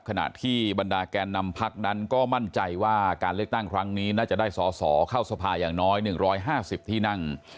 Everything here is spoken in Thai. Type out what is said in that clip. ขณะที่บรรดาแกนนำพักนั้นก็มั่นใจว่าการเลือกตั้งครั้งนี้น่าจะได้สอสอเข้าสภาอย่างน้อย๑๕๐ที่นั่ง